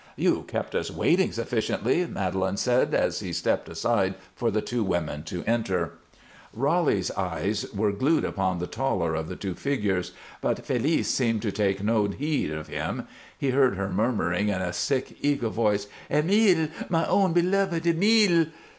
"You kept us waiting sufficiently," Madelon said, as he stepped aside for the two women to enter. Roly's eyes were glued upon the taller of the two figures, but Félice seemed to take no heed of him. He heard her murmuring in a sick, eager voice: "Emile! My own beloved! Emile!"